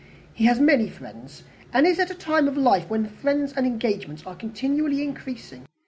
He has many friends, and he is at a time of life when friends and engagements are continually increasing."